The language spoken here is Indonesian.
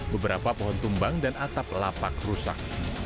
beberapa pohon tumbang dan atap lapak rusak